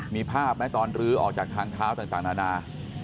มีภาพไหมตอนลื้อออกจากทางเท้าต่างนานา